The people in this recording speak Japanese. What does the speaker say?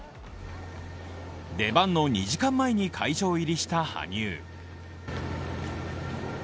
出番の２時間前に会場入りした羽生。